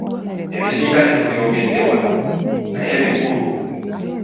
Ebisinga tetubyogedde wano naye bikulu.